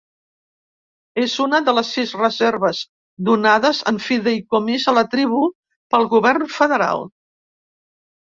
És una de les sis reserves donades en fideïcomís a la tribu pel govern federal.